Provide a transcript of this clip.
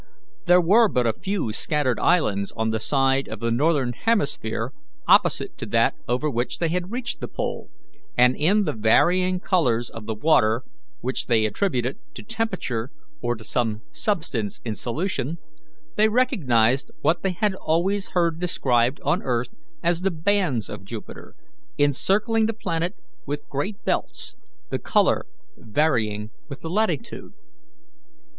There were but a few scattered islands on the side of the Northern hemisphere opposite to that over which they had reached the pole, and in the varying colours of the water, which they attributed to temperature or to some substance in solution, they recognized what they had always heard described on earth as the bands of Jupiter, encircling the planet with great belts, the colour varying with the latitude.